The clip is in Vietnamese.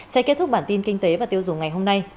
sẽ kết thúc bản tin kinh tế và tiêu dùng ngày hôm nay